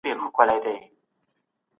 د چاپ مهال په لابراتوار کې ثابتیږي.